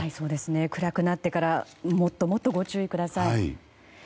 暗くなってからもっともっとご注意ください。